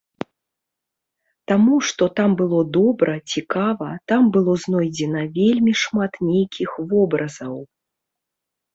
Таму што там было добра, цікава, там было знойдзена вельмі шмат нейкіх вобразаў.